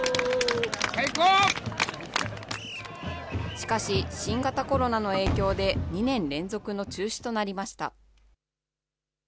しかし、新型コロナの影響で、２年連続の中止となりました。